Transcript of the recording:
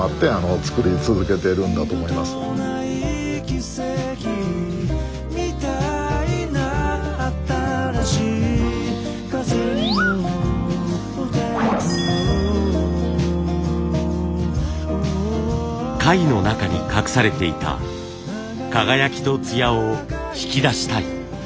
輝きっていいますか貝の中に隠されていた輝きとつやを引き出したい。